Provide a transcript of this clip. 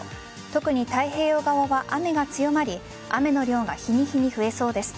特に太平洋側は雨が強まり雨の量が日に日に増えそうです。